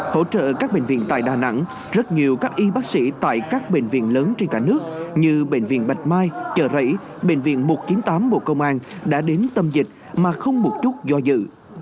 hỗ trợ các bệnh viện tại đà nẵng rất nhiều các y bác sĩ tại các bệnh viện lớn trên cả nước như bệnh viện bạch mai chợ rẫy bệnh viện một trăm chín mươi tám bộ công an đã đến tâm dịch mà không một chút do dự